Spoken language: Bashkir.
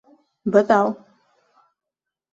Быҙау!